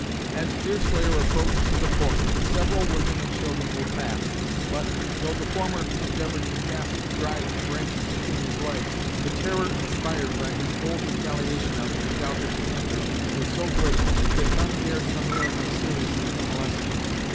As Deerslayer approached the point, several women and children were passed, but, though the former endeavoured to cast dried branches between his legs, the terror inspired by his bold retaliation on the redoubted Panther was so great, that none dared come near enough seriously to molest him.